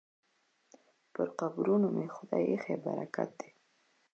پر قبرونو مو خدای ایښی برکت دی